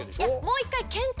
もう一回。